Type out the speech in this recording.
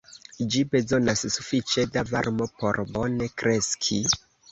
Ĝi bezonas sufiĉe da varmo por bone kreski.